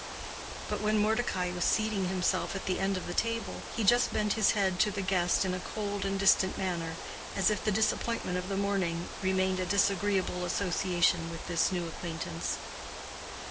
But when Mordecai was seating himself at the end of the table, he just bent his head to the guest in a cold and distant manner, as if the disappointment of the morning remained a disagreeable association with this new acquaintance.